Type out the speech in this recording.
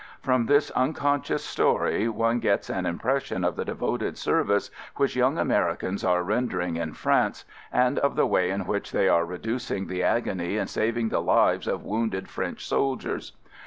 From this uncon scious story one gets an impression of the devoted service which young Americans are rendering in France and of the way in which they are reducing the agony and saving the lives of wounded French sol diers.